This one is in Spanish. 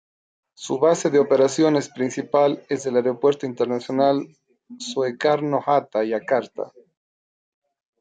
Su base de operaciones principal es el Aeropuerto Internacional Soekarno-Hatta, Yakarta.